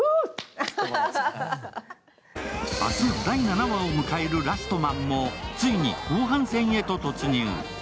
明日、第７話を迎える「ラストマン」もついに後半戦へと突入。